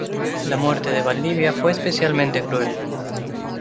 La muerte de Valdivia fue especialmente cruel.